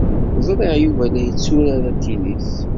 Ẓriɣ Yuba la yetturar atennis.